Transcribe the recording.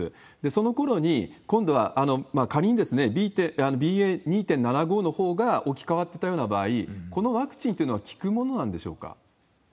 そのころに、今度は、仮にＢＡ．２．７５のほうが置き換わったような場合、このワクチンというのは効くものなんでしょうか。